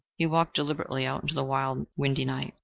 He walked deliberately out into the wild, windy night.